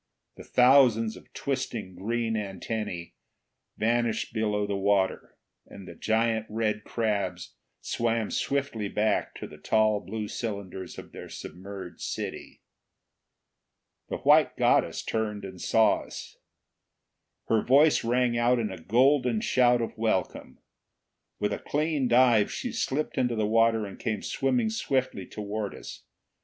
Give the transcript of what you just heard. The thousands of twisting green antennae vanished below the water, and the giant red crabs swam swiftly back to the tall blue cylinders of their submerged city. The white goddess turned and saw us. Her voice rang out in a golden shout of welcome. With a clean dive she slipped into the water and came swimming swiftly toward us.